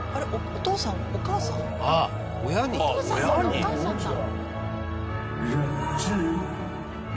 お父さんとお母さんだ。